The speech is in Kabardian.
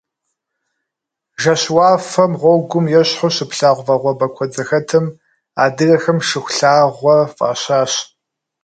Жэщ уафэм гъуэгум ещхьу щыплъагъу вагъуэбэ куэд зэхэтым адыгэхэм Шыхулъагъуэ фӀащащ.